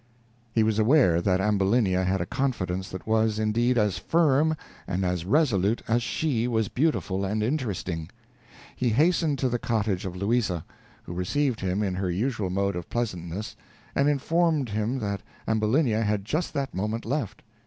He was aware that Ambulinia had a confidence that was, indeed, as firm and as resolute as she was beautiful and interesting. He hastened to the cottage of Louisa, who received him in her usual mode of pleasantness, and informed him that Ambulinia had just that moment left.